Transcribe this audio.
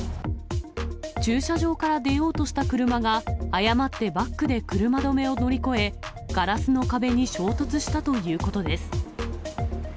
駐車場から出ようとした車が、誤ってバックで車止めを乗り越え、ガラスの壁に衝突したということです。